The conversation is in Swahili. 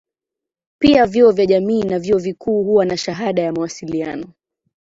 Pia vyuo vya jamii na vyuo vikuu huwa na shahada ya mawasiliano.